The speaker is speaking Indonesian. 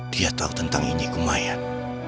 dia tahu tentang inyit kumayan